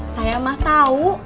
saya mah tau